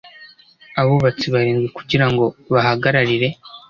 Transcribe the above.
abubatsi barindwi kugira ngo bahagararire